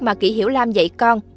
mà kỷ hiểu lam dạy con